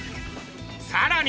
さらに！